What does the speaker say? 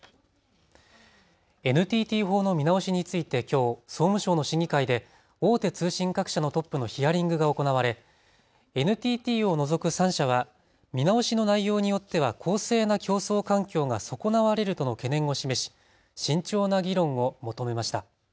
ＮＴＴ法の見直しについてきょう総務省の審議会で大手通信各社のトップのヒアリングが行われＮＴＴを除く３社は見直しの内容によっては公正な競争環境が損なわれるとの懸念を示し慎重な議論を求めました。